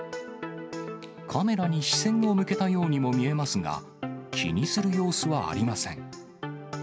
カメラに視線を向けたようにも見えますが、気にする様子はありません。